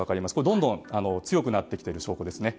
どんどん強くなってきている証拠ですね。